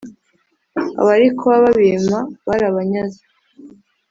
abari kuba babimpa barabanyaze